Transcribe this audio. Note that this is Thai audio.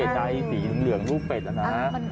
ใดสีเหลืองลูกเป็ดนะฮะ